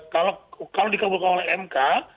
kalau dikabulkan oleh mk